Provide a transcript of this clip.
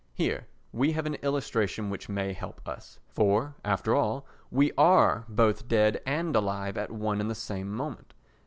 Here we have an illustration which may help us. For, after all, we are both dead and alive at one and the same moment.